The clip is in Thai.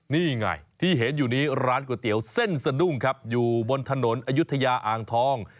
นี่ไงที่เห็นอยู่นี้ร้านก๋วยเตี๋ยวเส้นสะดุ้งครับอยู่บนถนนอายุทยาอ่างทอง